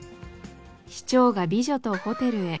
市長が美女とホテルへ。